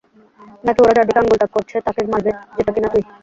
নাকি ওরা যার দিকে আঙুল তাক করছে তাকে মারবে, যেটা কি না তুই?